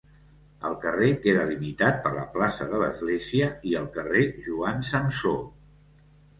El carrer queda limitat per la plaça de l'església i el carrer Joan Samsó.